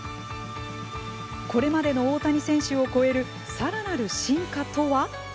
これまでの大谷選手を超えるさらなる進化とは。